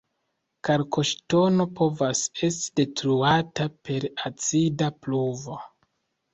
Kalkoŝtono povas esti detruata per acida pluvo.